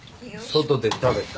外で食べた。